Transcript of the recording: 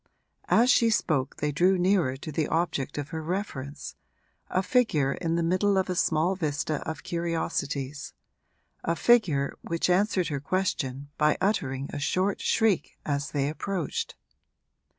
As she spoke they drew nearer to the object of her reference a figure in the middle of a small vista of curiosities, a figure which answered her question by uttering a short shriek as they approached.